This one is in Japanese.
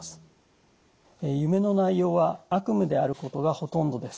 夢の内容は悪夢であることがほとんどです。